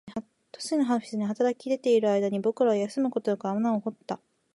都心のオフィスに働き出ている間に、僕らは休むことなく穴を掘った